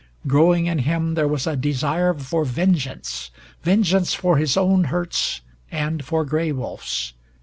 Growing in him there was a desire for vengeance vengeance for his own hurts, and for Gray Wolf's.